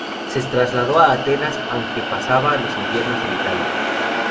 Se trasladó a Atenas aunque pasaba los inviernos en Italia.